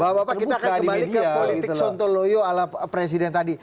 bapak bapak kita akan kembali ke politik sontoloyo ala presiden tadi